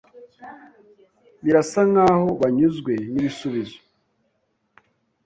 Birasa nkaho banyuzwe nibisubizo.